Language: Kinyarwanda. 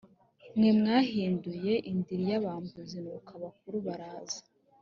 mwe mwayihinduye indiri y abambuzi nuko abakuru baraza